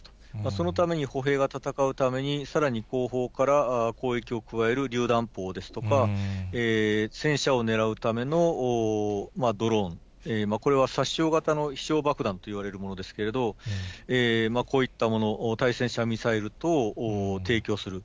そのために歩兵が戦うために、さらに後方から攻撃を加えるりゅう弾砲ですとか、戦車を狙うためのドローン、これは殺傷型の飛しょう爆弾といわれるものですけれども、こういったもの、対戦車ミサイル等を提供する。